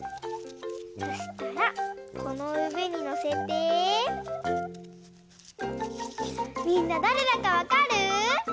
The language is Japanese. そしたらこのうえにのせてみんなだれだかわかる？